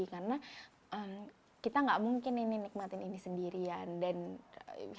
karena kita gak mungkin ini nikmatin ini sendirian dan helping